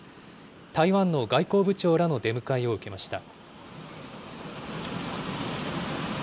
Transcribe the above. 台湾の外交部長らの出迎えを受けました。